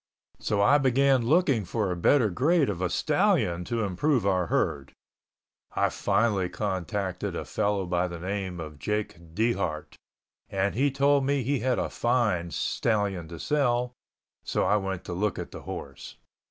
So I began looking for a better grade of a stallion to improve our herd. I finally contacted a fellow by the name of Jake Dehart and he told me he had a fine stallion to sell, so I went to look at the horse.